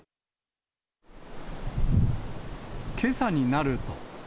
けさになると。